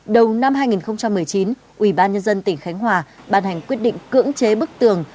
đầu năm hai nghìn một mươi chín ủy ban nhân dân tỉnh khánh hòa bàn hành quyết định cưỡng chế bức tường